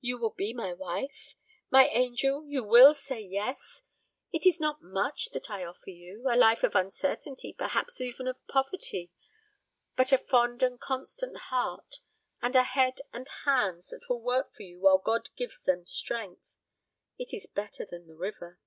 You will be my wife? My angel, you will say yes! It is not much that I offer you a life of uncertainty, perhaps even of poverty; but a fond and constant heart, and a head and hands that will work for you while God gives them strength. It is better than the river."